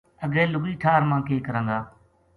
اگے لُگی ٹھار ما کے کراں گا ‘‘